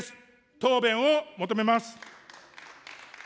答弁を求めます。